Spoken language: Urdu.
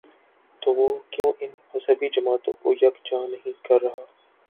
تو وہ کیوں ان مذہبی جماعتوں کو یک جا نہیں کر رہا؟